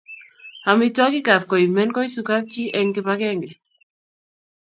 Amitwogikap koimen koisu kapchi eng kipakenge